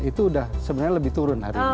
itu sudah sebenarnya lebih turun hari ini